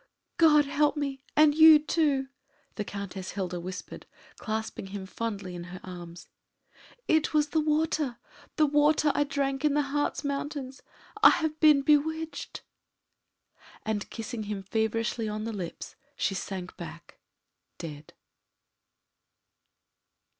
"God help me and you, too!" the Countess Hilda whispered, clasping him fondly in her arms. "It was the water! the water I drank in the Harz Mountains! I have been bewitched "; and kissing him feverishly on the lips, she sank back dead.